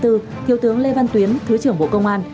thiếu tướng lê văn tuyến thứ trưởng bộ công an